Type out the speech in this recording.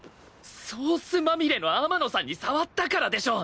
ソースまみれの天野さんに触ったからでしょ。